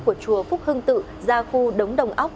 của chùa phúc hưng tự ra khu đống đồng óc